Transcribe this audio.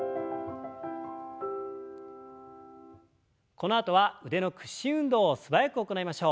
このあとは腕の屈伸運動を素早く行いましょう。